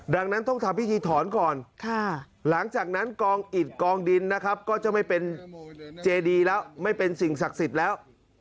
ดังนั้นต้องทำพิธีถอนก่อนหลังจากนั้นกองอิดกองดินก็จะไม่เป็นเจดีแล้วไม่เป็นสิ่งศักดิ์สิทธิ์แล้ว